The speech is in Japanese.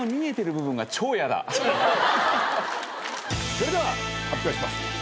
それでは発表します。